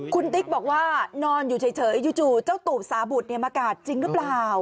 คุณติ๊กบอกว่านอนอยู่เฉยจู่เจ้าตูบสาบุตรมากาดจริงหรือเปล่า